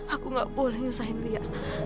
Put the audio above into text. aku gak boleh nyusahin dia